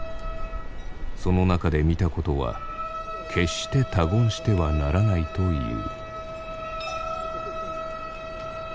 その中で見たことは決して他言してはならないという。